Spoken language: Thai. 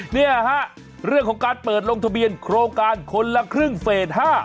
เนี่ยฮะเรื่องของการเปิดลงทะเบียนโครงการคนละครึ่งเฟส๕